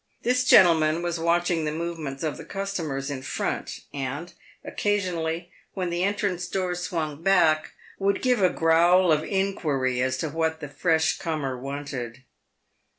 This gentleman was watching the movements of the customers in front, and, occasionally, when the entrance door swung back, would give a growl of inquiry as to what the fresh comer wanted.